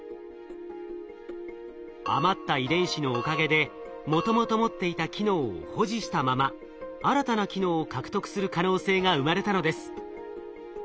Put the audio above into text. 余った遺伝子のおかげでもともと持っていた機能を保持したまま新たな機能を獲得する可能性が生まれたのです。